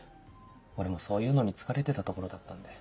俺もそういうのに疲れてたところだったんで。